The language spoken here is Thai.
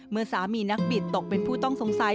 เมื่อสามีนักบิดตกเป็นผู้ต้องสงสัย